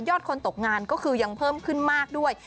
คนตกงานก็คือยังเพิ่มขึ้นมากด้วย